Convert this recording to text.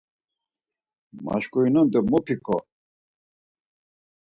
Maşǩurinen do mu p̌iǩo!